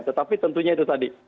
tetapi tentunya itu tadi